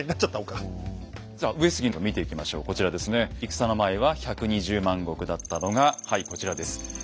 戦の前は１２０万石だったのがはいこちらです。